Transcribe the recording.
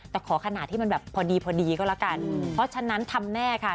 แต่ขอขนาดที่มันแบบพอดีพอดีก็แล้วกันเพราะฉะนั้นทำแน่ค่ะ